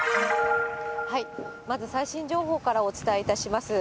まず最新情報からお伝えいたします。